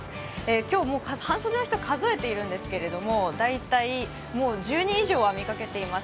今日、半袖の人、数えているんですけど、大体もう１０人以上は見かけています。